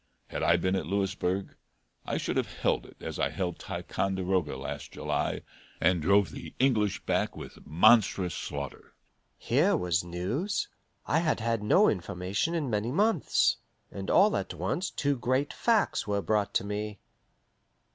Had I been at Louisburg, I should have held it, as I held Ticonderoga last July, and drove the English back with monstrous slaughter." Here was news. I had had no information in many months, and all at once two great facts were brought to me.